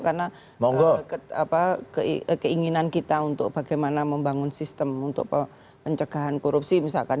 karena keinginan kita untuk bagaimana membangun sistem untuk pencegahan korupsi misalkan